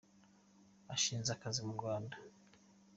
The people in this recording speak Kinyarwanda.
ushinze akazi mu Rwanda.